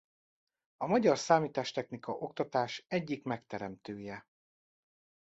A magyar számítástechnika-oktatás egyik megteremtője.